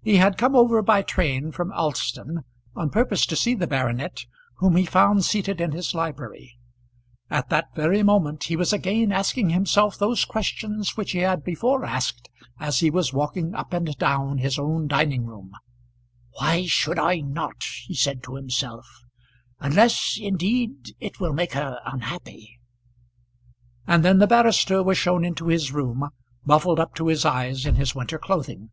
He had come over by train from Alston on purpose to see the baronet, whom he found seated in his library. At that very moment he was again asking himself those questions which he had before asked as he was walking up and down his own dining room. "Why should I not?" he said to himself, "unless, indeed, it will make her unhappy." And then the barrister was shown into his room, muffled up to his eyes in his winter clothing.